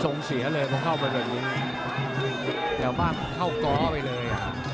ทรงเสียเลยเค้าเข้าไปเลยแถวบ้านเข้าก้อไปเลย